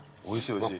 おいしい！